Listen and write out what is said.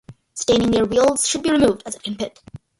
Staining near wields should be removed as it can pit.